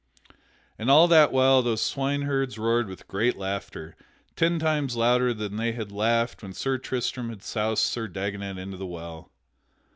And all that while those swineherds roared with great laughter, ten times louder than they had laughed when Sir Tristram had soused Sir Dagonet into the well.